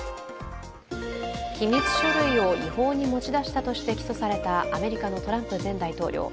機密書類を違法に持ち出したとして起訴された、アメリカのトランプ前大統領。